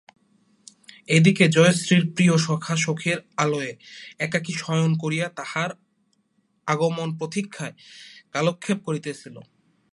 এ দিকে জয়শ্রীর প্রিয় সখা সখীর আলয়ে একাকী শয়ন করিয়া তাহার আগমনপ্রতীক্ষায় কালক্ষেপ করিতেছিল।